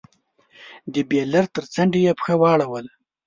د بېلر تر څنډې يې پښه واړوله.